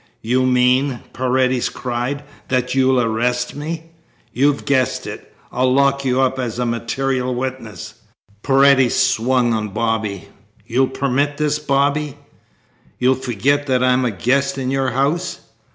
"You mean," Paredes cried, "that you'll arrest me?" "You've guessed it. I'll lock you up as a material witness." Paredes swung on Bobby. "You'll permit this, Bobby? You'll forget that I am a guest in your house?"